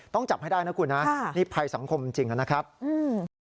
ต้องจับให้ได้นะคุณนะค่ะนี่ภัยสังคมจริงนะครับอืม